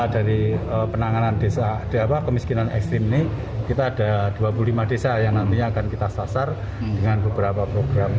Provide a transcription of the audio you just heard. dari penanganan kemiskinan ekstrim ini kita ada dua puluh lima desa yang nantinya akan kita sasar dengan beberapa program